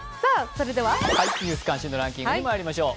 「ニュース関心度ランキング」にまいりましょう。